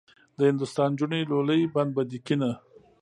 د هندوستان نجونې لولۍ بند به دې کیني.